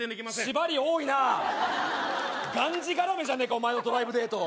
縛り多いながんじがらめじゃねえかお前のドライブデート